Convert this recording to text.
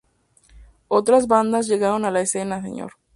Otras bandas llegaron a la escena; Sr.